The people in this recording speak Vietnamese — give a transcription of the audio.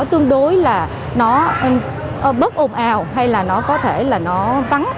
tương đối là nó bớt ồn ào hay là nó có thể là nó vắng